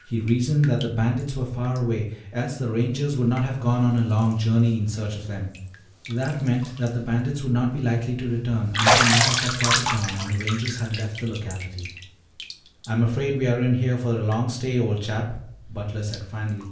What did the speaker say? He reasoned that the bandits were far away else the Rangers would not have gone on a long journey in search of them. That meant that the bandits would not be likely to return until matters had quieted down and the Rangers had left the locality. "I am afraid we are in here for a long stay, old chap," Butler said finally.